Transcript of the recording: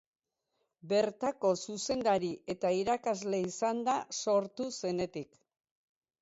Bertako zuzendari eta irakasle izan da sortu zenetik.